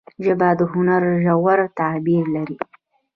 ژبه د هنر ژور تعبیر لري